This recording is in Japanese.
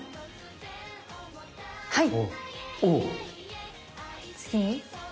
はい！